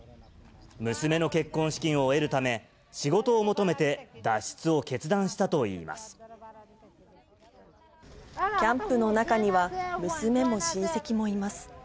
娘の結婚資金を得るため、仕事を求めて、キャンプの中には、娘も親戚もいます。